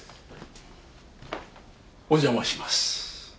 お邪魔します。